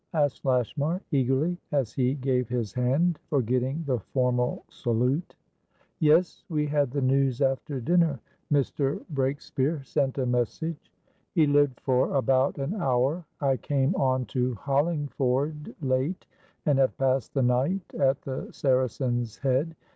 asked Lashmar, eagerly, as he gave his hand, forgetting the formal salute. "Yes. We had the news after dinner. Mr. Breakspeare sent a message." "He lived for about an hour. I came on to Hollingford late, and have passed the night at the Saracen's Head.